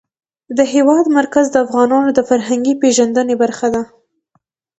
د هېواد مرکز د افغانانو د فرهنګي پیژندنې برخه ده.